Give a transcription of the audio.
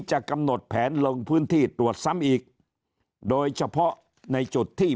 จะกำหนดแผนลงพื้นที่ตรวจซ้ำอีกโดยเฉพาะในจุดที่